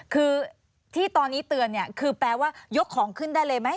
คือที่ตอนนี้เตือนเนี่ยคือแปลว่ายกของขึ้นได้เลยไหม